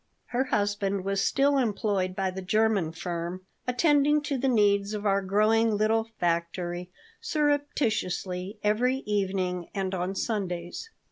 Her husband was still employed by the German firm, attending to the needs of our growing little factory surreptitiously every evening and on Sundays.